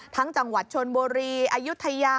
จังหวัดชนบุรีอายุทยา